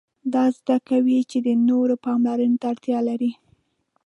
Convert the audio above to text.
دا زده کوي چې د نورو پاملرنې ته اړتیا لري.